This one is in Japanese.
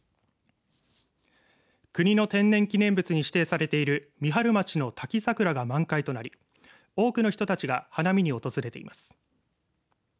国の天然記念物に指定されている三春町の滝桜が満開となり多くの人たちが花見に訪れています。